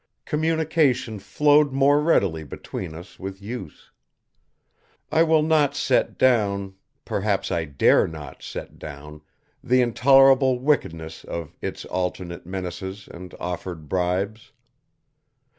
Communication flowed more readily between us with use. I will not set down, perhaps I dare not set down the intolerable wickedness of Its alternate menaces and offered bribes.